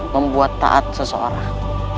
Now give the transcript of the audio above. membuat taat seseorang